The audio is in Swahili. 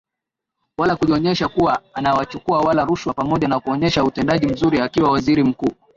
wala kujionyesha kuwa anawachukia wala rushwa Pamoja na kuonyesha utendaji mzuri akiwa Waziri Mkuu